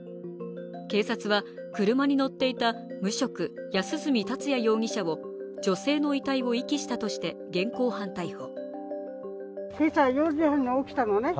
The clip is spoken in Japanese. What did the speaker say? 警察は車に乗っていた無職、安栖達也容疑者を女性の遺体を遺棄したとして現行犯逮捕。